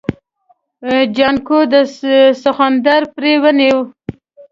جانکو د سخوندر پړی ونيو.